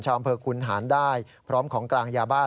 อำเภอคุณหารได้พร้อมของกลางยาบ้า